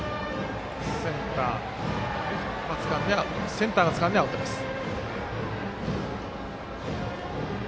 センターつかんでアウトです。